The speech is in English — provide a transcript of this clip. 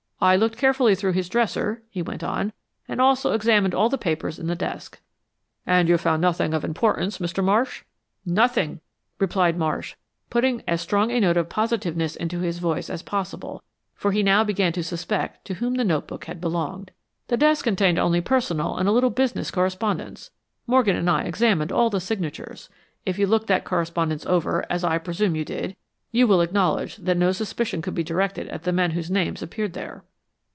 "I looked carefully through his dresser," he want on, "and also examined all the papers in the desk." "And you found nothing of importance, Mr. Marsh?" "Nothing," replied March, putting as strong a note of positiveness into his voice as possible, for he now began to suspect to whom the notebook had belonged. "The desk contained only personal and a little business correspondence. Morgan and I examined all the signatures. If you looked that correspondence over, as I presume you did, you will acknowledge that no suspicion could be directed at the men whose names appeared there."